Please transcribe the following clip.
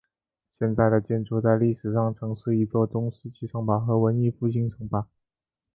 现在的建筑在历史上曾是一座中世纪城堡和文艺复兴城堡。